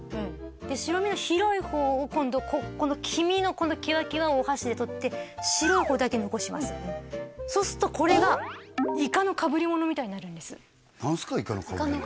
白身の広い方を今度この黄身のきわきわをお箸で取って白い方だけ残しますそうするとこれがイカの被り物みたいになるんです何すか？